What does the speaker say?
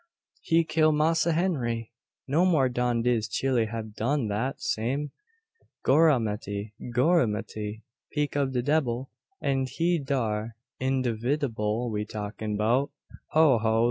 He kill Massa Henry! no more dan dis chile hab done dat same. Goramity Goramity! 'Peak ob de debbil and he dar de berry individible we talkin' 'bout. Ho, ho!